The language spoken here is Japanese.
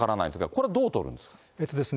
これ、どう取るんですか？